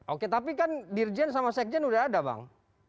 oke tapi kan dirjen sama sekjen sudah ada bang